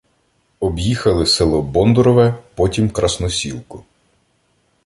Об'їхали село Бондурове, потім Красносілку.